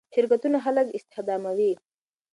شرکتونه خلک استخداموي.